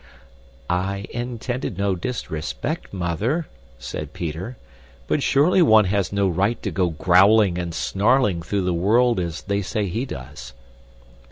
"I intended no disrespect, mother," said Peter, "but surely one has no right to go growling and snarling through the world as they say he does."